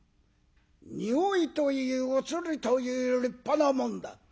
匂いといい映りといい立派なもんだ。